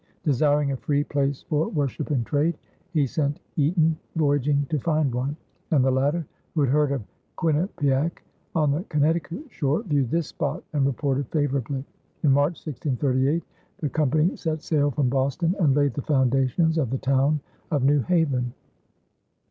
Desiring a free place for worship and trade, he sent Eaton voyaging to find one; and the latter, who had heard of Quinnipiac on the Connecticut shore, viewed this spot and reported favorably. In March, 1638, the company set sail from Boston and laid the foundations of the town of New Haven.